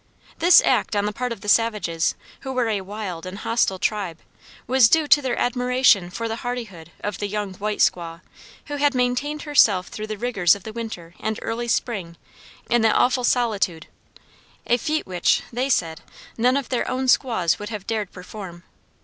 This act on the part of the savages, who were a wild and hostile tribe, was due to their admiration for the hardihood of the "young white squaw," who had maintained herself through the rigors of the winter and early spring in that awful solitude a feat which, they said, none of their own squaws would have dared perform.